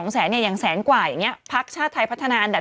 แสนเนี่ยอย่างแสนกว่าอย่างนี้พักชาติไทยพัฒนาอันดับ